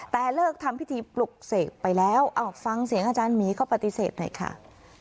แต่เลิกทำพิธีปลุกเสกไปแล้วเอาฟังเสียงอาจารย์หมีเขาปฏิเสธหน่อยค่ะ